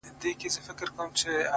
ايله چي شل- له ځان سره خوارې کړې ده-